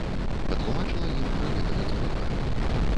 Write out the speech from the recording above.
Патлумачыла ім пра гэтага дзівака.